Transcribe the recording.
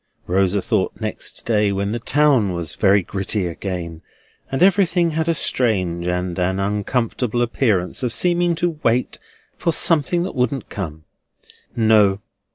Rosa thought next day, when the town was very gritty again, and everything had a strange and an uncomfortable appearance of seeming to wait for something that wouldn't come. NO.